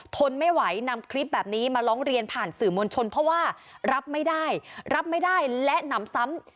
ทนไม่ไหวนำคลิปแบบนี้มาร้องเรียนผ่านสื่อมวลชนเพราะว่ารับไม่ได้รับไม่ได้และหนำซ้ำ